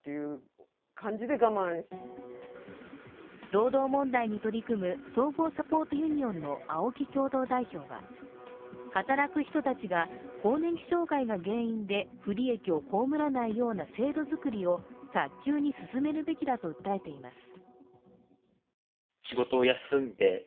労働問題に取り組む総合サポートユニオンの青木共同代表は働く人たちが更年期障害が原因で不利益を被らないような制度作りを早急に進めるべきだと訴えています。